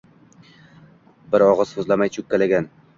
Bir og‘iz so‘zlamay cho‘kkalagan